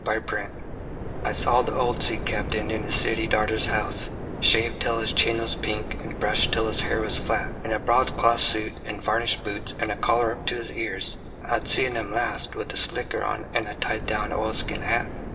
OLD BOATS I saw the old sea captain in his city daughter's house, Shaved till his chin was pink, and brushed till his hair was flat, In a broadcloth suit and varnished boots and a collar up to his ears. (I'd seen him last with a slicker on and a tied down oilskin hat.)